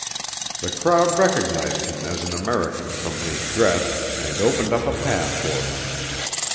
The crowd recognized him as an American from his dress and opened up a path for him.